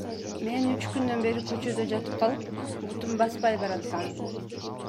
Мен үч күндөн бери көчөдө жатып калып, бутум баспай бараткан.